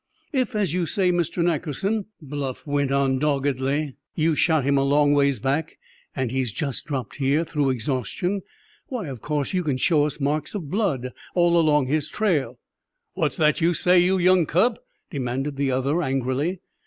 "If, as you say, Mr. Nackerson," Bluff went on doggedly, "you shot him a long ways back and he's just dropped here through exhaustion, why, of course you can show us marks of blood all along his trail." "What's that you say, you young cub?" demanded the other angrily.